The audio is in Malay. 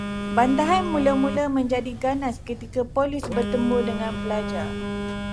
Bantahan mula-mula menjadi ganas ketika polis bertempur dengan pelajar